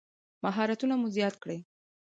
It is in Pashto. مهارتونه مو زیات کړئ